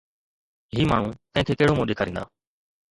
هي ماڻهو ڪنهن کي ڪهڙو منهن ڏيکاريندا؟